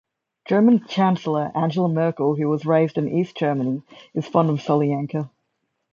German Chancellor Angela Merkel, who was raised in East Germany, is fond of Solyanka.